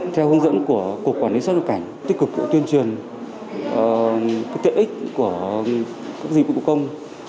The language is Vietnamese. theo hướng dẫn của cục quản lý xuất nhập cảnh tích cực tuyên truyền tiện ích của các dịch vụ công